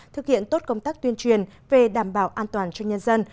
thực hiện tốt công tác tuyên truyền về đảm bảo an toàn cho nhân dân